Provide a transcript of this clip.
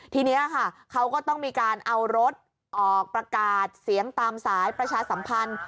ทีนี้ค่ะเขาก็ต้องมีการเอารถออกประกาศเสียงตามสายประชาสัมพันธ์